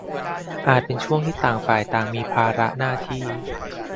อาจเป็นช่วงที่ต่างฝ่ายต่างมีภาระหน้าที่